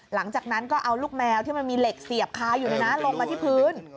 หลังจากนั้นก็เอาลูกแมวที่มันมีเหล็กเสียบคาอยู่ในนั้นลงมาที่พื้น